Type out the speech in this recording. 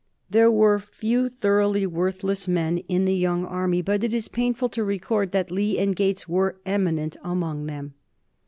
There were few thoroughly worthless men in the young army, but it is painful to record that Lee and Gates were eminent among them.